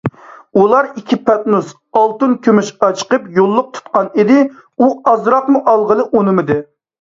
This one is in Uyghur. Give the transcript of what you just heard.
ئۇلار ئىككى پەتنۇس ئالتۇن - كۈمۈش ئاچىقىپ يوللۇق تۇتقانىدى، ئۇ ئازراقمۇ ئالغىلى ئۇنىمىدى.